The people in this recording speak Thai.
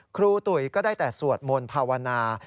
ตุ๋ยก็ได้แต่สวดมนต์ภาวนา